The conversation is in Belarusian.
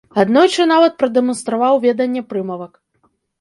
Аднойчы нават прадэманстраваў веданне прымавак.